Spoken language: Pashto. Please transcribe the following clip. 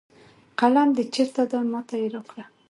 قلم د چېرته ده ما ته یې راکړه